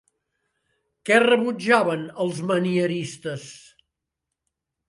Què rebutjaven els manieristes?